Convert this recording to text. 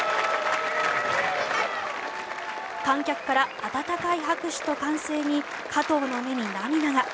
観客から温かい拍手と歓声に加藤の目に涙が。